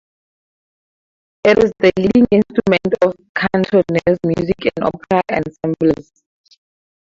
It is the leading instrument of Cantonese music and opera ensembles.